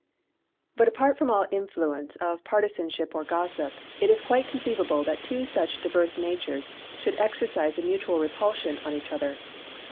But apart from all influence of partisanship or gossip, it is quite conceivable that two such diverse natures should exercise a mutual repulsion on each other.